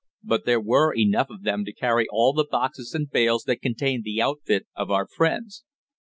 But there were enough of them to carry all the boxes and bales that contained the outfit of our friends.